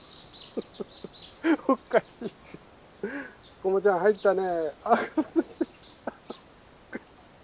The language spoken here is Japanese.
コモちゃん入ったね。